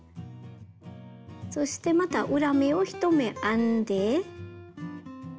そしてまた裏目を１目編んで。